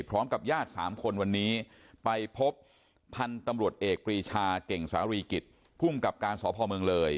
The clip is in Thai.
พร้อมกับญาติ๓คนวันนี้ไปพบพันธุ์ตำรวจเอกปรีชาเก่งสารีกิจภูมิกับการสพเมืองเลย